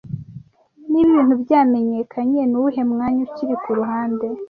niba ibintu byamenyekanye ni uwuhe mwanya uri Kuruhande